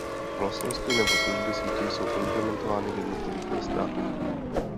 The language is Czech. Vlastnosti nebo služby sítě jsou implementovány v jednotlivých „vrstvách“.